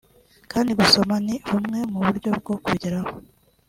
kandi gusoma ni bumwe mu buryo bwo kubigeraho